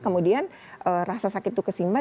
kemudian rasa sakit itu kesimbang